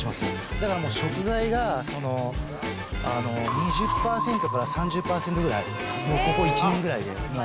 だから食材が２０％から３０％ぐらい、ここ１年ぐらいで、もう。